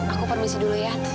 aku permisi dulu ya